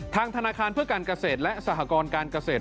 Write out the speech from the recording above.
ธนาคารเพื่อการเกษตรและสหกรการเกษตร